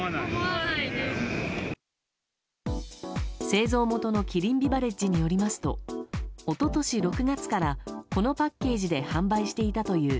製造元のキリンビバレッジによりますと一昨年６月からこのパッケージで販売していたという。